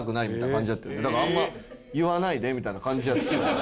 「あんま言わないで」みたいな感じやったよな。